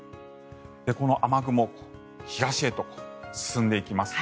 この雨雲東へと進んでいきます。